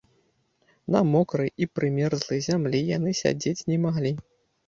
На мокрай і прымерзлай зямлі яны сядзець не маглі.